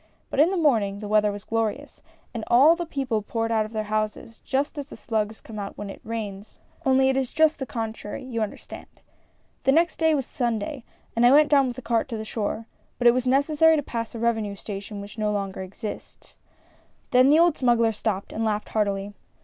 But in the morning the weather was glorious, and all the people poured out of their houses, just as the slugs come out when it rains, only it is just the contrary, you under stand !" The next day was Sunday, and I went down with a cart to the shore, but it was necessary to pass a revenue station, which no longer exists." 24 A FISH SUPPER. Then the old smuggler stopped, and laughed heartily.